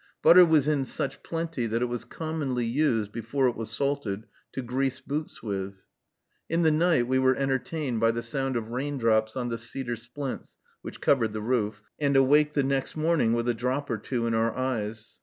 Butter was in such plenty that it was commonly used, before it was salted, to grease boots with. In the night we were entertained by the sound of rain drops on the cedar splints which covered the roof, and awaked the next morning with a drop or two in our eyes.